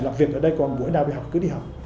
làm việc ở đây còn buổi nào bị học cứ đi học